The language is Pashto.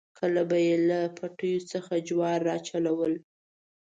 کله به یې له پټیو څخه جوار راچلول.